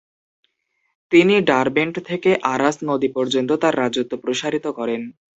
তিনি ডারবেন্ট থেকে আরাস নদী পর্যন্ত তার রাজত্ব প্রসারিত করেন।